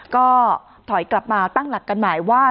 ก็ถอยกลับมาตั้งหลักกันหมายว่า